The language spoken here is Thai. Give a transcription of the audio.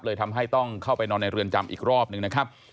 ทำให้ต้องเข้าไปนอนในเรือนจำอีกรอบหนึ่งนะครับ